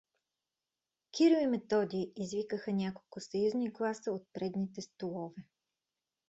Кирил и Методий — извикаха няколко съюзни гласа от предните столове.